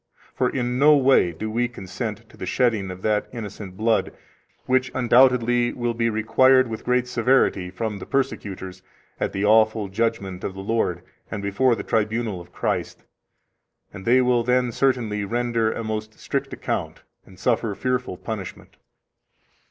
For in no way do we consent to the shedding of that innocent blood, which undoubtedly will be required with great severity from the persecutors at the awful judgment of the Lord and before the tribunal of Christ, and they will then certainly render a most strict account, and suffer fearful punishment.